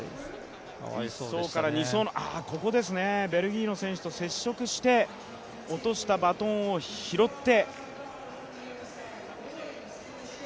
１走から２走のここですね、ベルギーの選手と接触して落としたバトンを拾って。